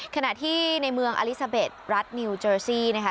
ขณะที่ในเมืองอลิซาเบ็ดรัฐนิวเจอร์ซี่นะคะ